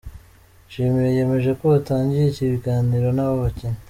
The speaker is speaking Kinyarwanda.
Nshimiye yemeje ko batangiye ibiganiro n’aba bakinnyi.